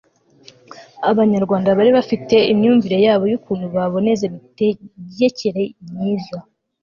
abanyarwanda bari bafite imyumvire yabo y'ukuntu baboneza imitegekere myiza